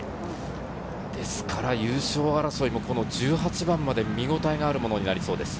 ですから優勝争いも１８番まで見応えがあるものになりそうです。